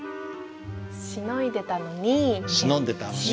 「しのんでたのに」。